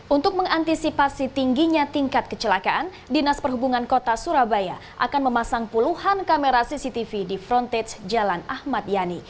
untuk mengantisipasi tingginya tingkat kecelakaan dinas perhubungan kota surabaya akan memasang puluhan kamera cctv di frontage jalan ahmad yani